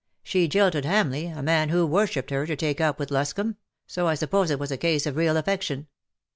She jilted Hamleigh, a man who worshipped her, to take up with Luscomb, so I suppose it was a case of real affection."